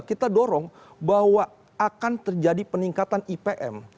kita dorong bahwa akan terjadi peningkatan ipm